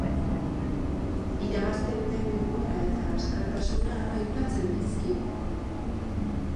Irabazten den denbora eta askatasuna aipatzen dizkio.